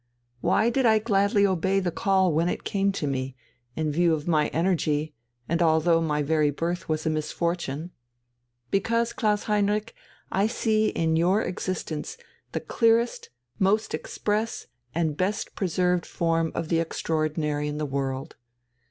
Why did I gladly obey the call when it came to me, in view of my energy, and although my very birth was a misfortune? Because, Klaus Heinrich, I see in your existence the clearest, most express, and best preserved form of the extraordinary in the world.